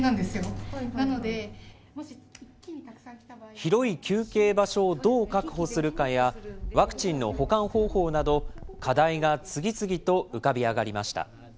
広い休憩場所をどう確保するかや、ワクチンの保管方法など、課題が次々と浮かび上がりました。